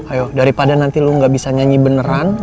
ayo daripada nanti lo gak bisa nyanyi bener bener